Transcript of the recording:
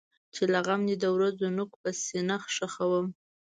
چې له غم دی د ورځو نوک په سینه خښوم.